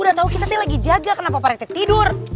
udah tahu kita teh lagi jaga kenapa pak rete tidur